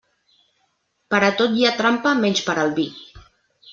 Per a tot hi ha trampa menys per al vi.